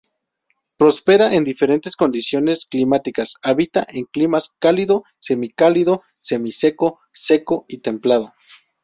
Prospera en diferentes condiciones climáticas; habita en climas cálido, semicálido, semiseco, seco y templado.